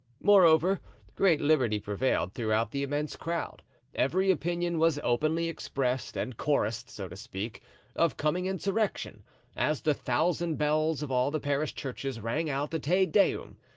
Moreover, great liberty prevailed throughout the immense crowd; every opinion was openly expressed and chorused, so to speak, of coming insurrection, as the thousand bells of all the Paris churches rang out the Te Deum.